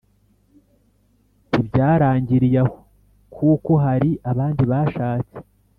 ntibyarangiriye aho, kuko hari abandi bashatse